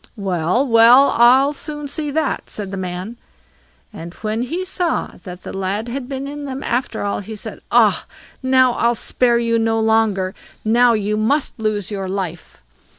"Well, well; I'll soon see that," said the man; and when he saw that the lad had been in them after all, he said, "Ah! now I'll spare you no longer; now you must lose your life."